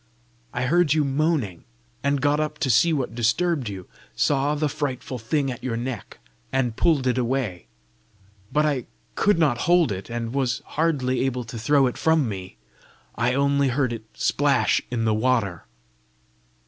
I heard you moaning, and got up to see what disturbed you; saw the frightful thing at your neck, and pulled it away. But I could not hold it, and was hardly able to throw it from me. I only heard it splash in the water!"